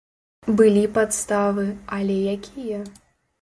Былі падставы, але якія?